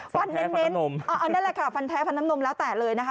อ๋อฟันแท้ฟันน้ำนมอันนั้นแหละค่ะฟันแท้ฟันน้ำนมแล้วแต่เลยนะคะ